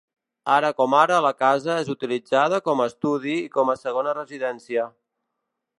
Ara com ara la casa és utilitzada com a estudi i com a segona residència.